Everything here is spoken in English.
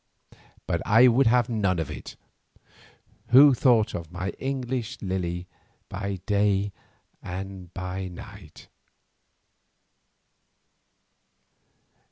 But I would none of it, who thought of my English Lily by day and night.